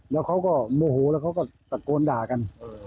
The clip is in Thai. แล้วเขาก็โมโหแล้วเขาก็ตะโกนด่ากัน